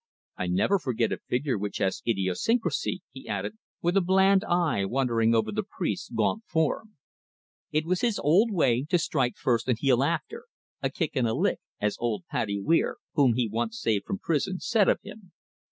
"I never forget a figure which has idiosyncrasy," he added, with a bland eye wandering over the priest's gaunt form. It was his old way to strike first and heal after "a kick and a lick," as old Paddy Wier, whom he once saved from prison, said of him.